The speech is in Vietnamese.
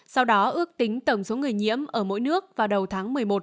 sau đó ước tính tổng số người nhiễm ở mỗi nước vào đầu tháng